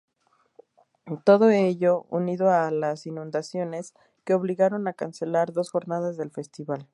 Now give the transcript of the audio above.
Todo ello unido a las inundaciones, que obligaron a cancelar dos jornadas del festival.